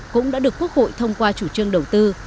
cũng đã được quốc hội thông qua chủ trương đầu tư